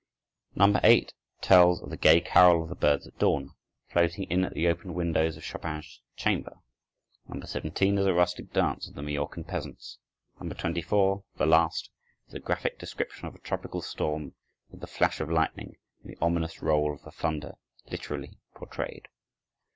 No. 8 tells of the gay carol of the birds at dawn, floating in at the open windows of Chopin's chamber. No. 17 is a rustic dance of the Majorcan peasants. No. 24, the last, is a graphic description of a tropical storm with the flash of lightning and the ominous roll of the thunder literally portrayed.